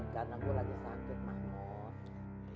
karena gue lagi cantik mak